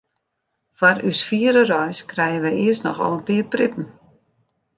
Foar ús fiere reis krije wy earst noch al in pear prippen.